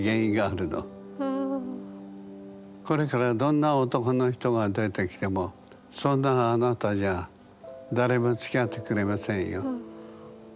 これからどんな男の人が出てきてもそんなあなたじゃ誰もつきあってくれませんよ。